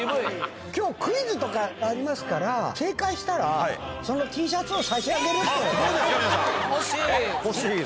今日クイズとかありますから正解したらそのＴシャツを差し上げるって。